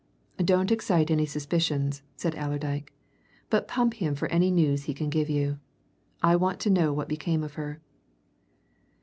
"Don't excite his suspicions," said Allerdyke, "but pump him for any news he can give you. I want to know what became of her."